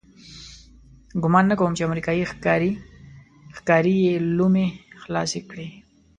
ګمان نه کوم چې امریکایي ښکاري یې لومې خلاصې کړي.